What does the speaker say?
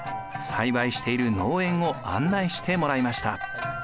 栽培している農園を案内してもらいました。